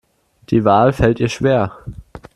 Die Wahl fällt ihr schwer.